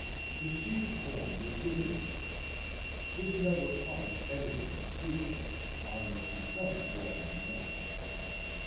The seed corn was given me. This never costs anything to speak of, unless you plant more than enough.